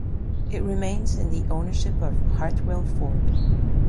It remains in the ownership of Hartwell Ford.